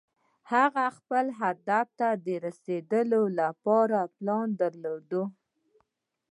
هغه خپل هدف ته د رسېدو لپاره پلان درلود.